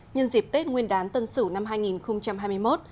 nhân dịp tết nguyên đán tân sửu năm hai nghìn hai mươi một